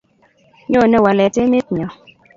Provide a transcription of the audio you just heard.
nyone walet en emet nyo